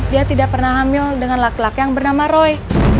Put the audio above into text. dia tidak pernah hamil dengan lak lak yang bernama roy